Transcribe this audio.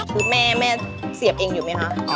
คือแม่เสียบเองอยู่ไหมคะ